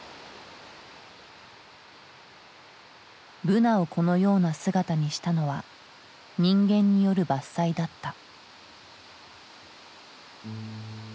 ブナをこのような姿にしたのは人間による伐採だった。